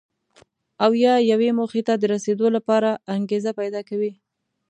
او یا یوې موخې ته د رسېدو لپاره انګېزه پیدا کوي.